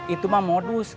itu mah modus